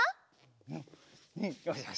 うんうんよしよし。